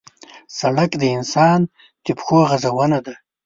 سړک د انسان د پښو غزونه ده.